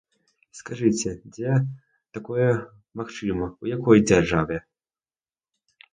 Скажыце, дзе такое магчыма, у якой дзяржаве?